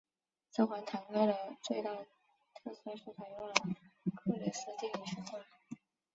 这款坦克的最大特色是采用了克里斯蒂悬吊。